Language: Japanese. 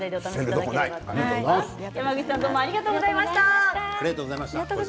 山口さんありがとうございました。